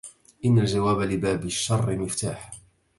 إن الجـواب لبـاب الشـر مفتـاح